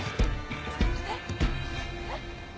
えっ？えっ？